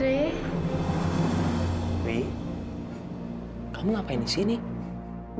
tapi tentu saja makanya b country